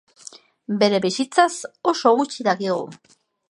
Bere bizitzaz oso gutxi dakigu.